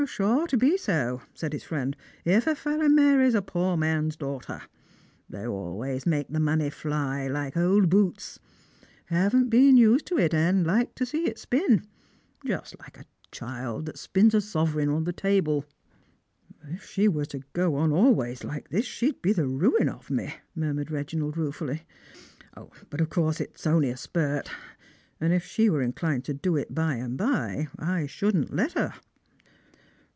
" Shaw to be so," said his friend, "if a feller marries a poor man's daughter. They always make the money fly like old boots; haven't been used to it, and like to see it spin; just like a child that spins a sovereign on a table." Strangers and Pilgrims. 263 " If she were always to go on like tliis, she would be the ruin of me," murmured Eeginald ruefully; " but of course it's only a spirt ; and if she were inclined to do it by and by, I shouldn't let her."